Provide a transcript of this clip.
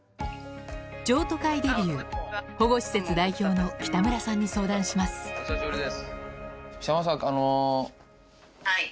譲渡会デビュー保護施設代表の北村さんに相談しますはい。